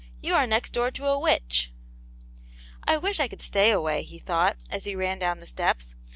You are next door to a witch." " I wish I could stay away," he thought, as he ran down the steps.